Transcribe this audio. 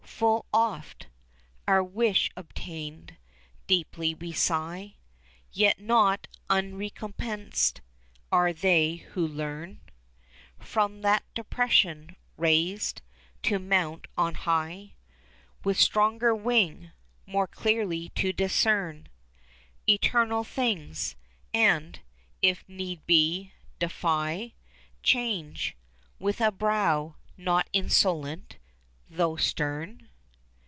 Full oft, our wish obtained, deeply we sigh; Yet not unrecompensed are they who learn, 10 From that depression raised, to mount on high With stronger wing, more clearly to discern Eternal things; and, if need be, defy Change, with a brow not insolent, though stern.